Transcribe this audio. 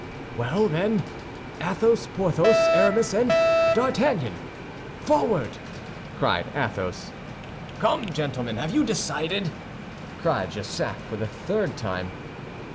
"Well, then, Athos, Porthos, Aramis, and D'Artagnan, forward!" cried Athos. "Come, gentlemen, have you decided?" cried Jussac for the third time.